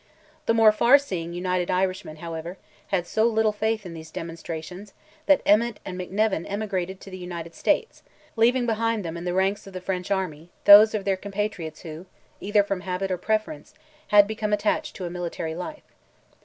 The more far seeing United Irishmen, however, had so little faith in these demonstrations that Emmet and McNevin emigrated to the United States, leaving behind them in the ranks of the French Army, those of their compatriots who, either from habit or preference, had become attached to a military life.